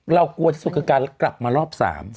กลัวที่สุดคือการกลับมารอบ๓